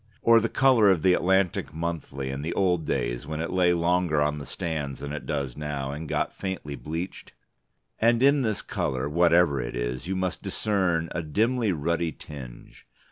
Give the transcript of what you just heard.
Or the colour of the Atlantic Monthly in the old days, when it lay longer on the stands than it does now, and got faintly bleached? And in this colour, whatever it is, you must discern a dimly ruddy tinge.